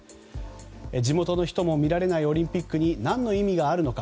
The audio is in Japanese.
地元の人も見られないオリンピックに何の意味があるのか。